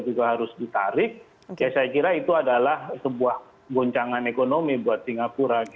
juga harus ditarik ya saya kira itu adalah sebuah goncangan ekonomi buat singapura